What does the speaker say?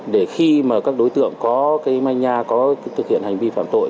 để khi mà các đối tượng có cái manh nha có thực hiện hành vi phạm tội